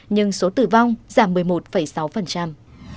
nhưng số tử vong giảm một mươi một sáu